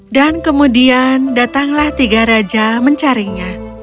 dan kemudian datanglah tiga raja mencarinya